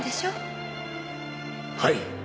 はい。